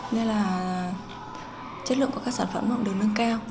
nên là chất lượng của các sản phẩm first một là đường năng cao